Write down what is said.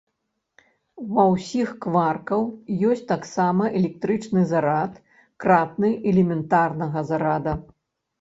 Ва ўсіх кваркаў ёсць таксама электрычны зарад, кратны элементарнага зарада.